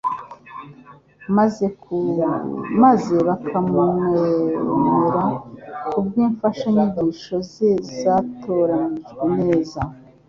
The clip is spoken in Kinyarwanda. maze bakamwemera ku bw'imfashanyigisho ze zatoranijwe neza.